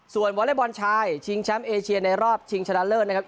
ส่วนวอเล็กบอลชายชิงแชมป์เอเชียในรอบชิงชนะเลิศนะครับ